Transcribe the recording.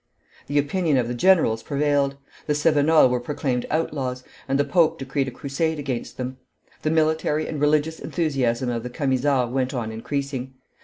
The opinion of the generals prevailed; the Cevenols were proclaimed outlaws, and the pope decreed a crusade against them. The military and religious enthusiasm of the Camisards went on increasing.